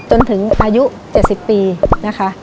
จนถึงอายุ๗๐ปีนะคะ